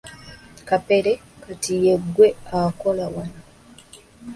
Kapere, Kati ye ggwe akola wano?